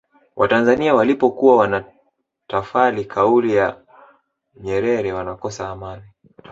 watanzania walipokuwa wanatafali kauli ya nyerere wanakosa amani